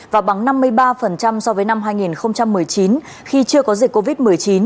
và bằng năm mươi ba so với năm hai nghìn một mươi chín khi chưa có dịch covid một mươi chín